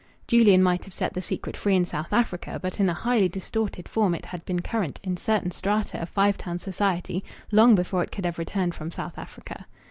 Julian might have set the secret free in South Africa, but in a highly distorted form it had been current in certain strata of Five Towns society long before it could have returned from South Africa.